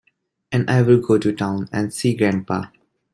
And I'll go to town and see Grampa.